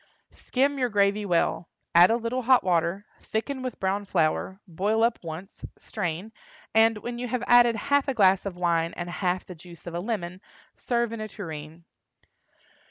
Skim your gravy well; add a little hot water, thicken with brown flour, boil up once, strain, and, when you have added half a glass of wine and half the juice of a lemon, serve in a tureen.